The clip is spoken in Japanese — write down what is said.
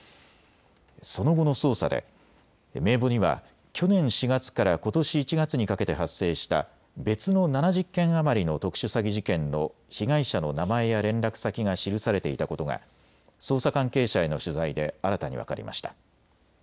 その後の捜査で名簿には去年４月からことし１月にかけて発生した別の７０件余りの特殊詐欺事件の被害者の名前や連絡先が記されていたことが捜査関係者への取材で新たに分かりました。